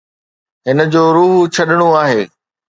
هن جو روح ڇڏڻو آهي.